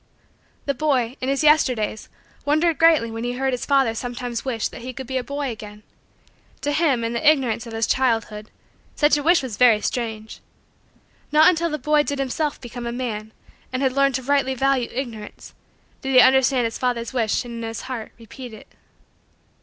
The boy, in his Yesterdays, wondered greatly when he heard his father sometimes wish that he could be a boy again. To him, in the ignorance of his childhood, such a wish was very strange. Not until the boy had himself become a man and had learned to rightly value Ignorance did he understand his father's wish and in his heart repeat it.